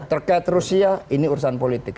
terkait rusia ini urusan politik